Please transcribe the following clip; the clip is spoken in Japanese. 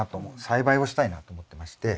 栽培をしたいなと思ってまして。